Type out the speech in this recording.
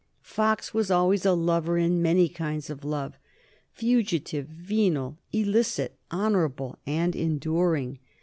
Fox was always a lover in many kinds of love, fugitive, venal, illicit, honorable, and enduring.